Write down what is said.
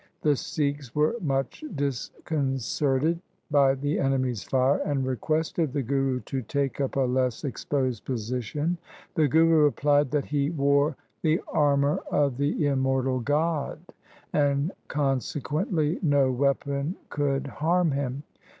The Sikhs were much disconcerted by the enemy's fire, and requested the Guru to take up a less exposed position. The Guru replied that he wore the armour of the immortal God, and consequently no weapon could harm him.